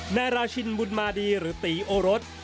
นายราชินบุญมาดีหรือตีโอรส